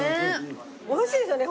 美味しいですよね。